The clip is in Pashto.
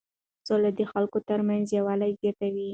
سوله د خلکو ترمنځ یووالی زیاتوي.